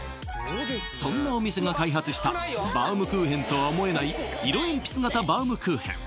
そんなお店が開発したバウムクーヘンとは思えない色えんぴつ型バウムクーヘン